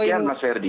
demikian mas ferdi